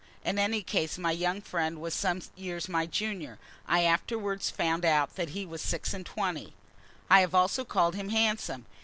In any case my young friend was some years my junior. I afterwards found out that he was six and twenty. I have also called him handsome.